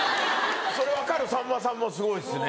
それ分かるさんまさんもすごいですね